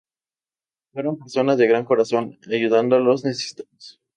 Fueron personas de gran corazón, ayudando a los necesitados.